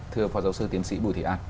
thưa phó giáo sư tiến sĩ bùi thị an